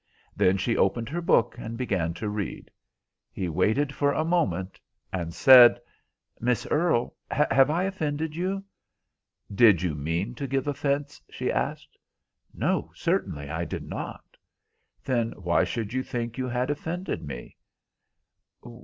Then she opened her book and began to read. He waited for a moment and said— "Miss Earle, have I offended you?" "Did you mean to give offence?" she asked. "No, certainly, I did not." "Then why should you think you had offended me?"